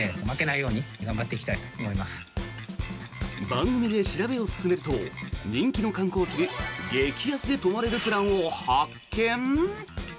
番組で調べを進めると人気の観光地に激安で泊まれるプランを発見？